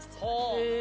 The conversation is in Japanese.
へえ。